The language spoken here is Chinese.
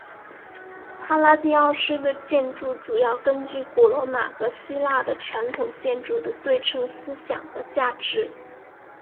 帕拉第奥式的建筑主要根据古罗马和希腊的传统建筑的对称思想和价值。